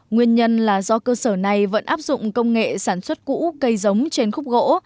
nguyên nhân là do cơ sở này vẫn áp dụng công nghệ sản xuất cũ cây giống trên khúc gỗ